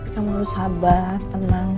kamu harus sabar tenang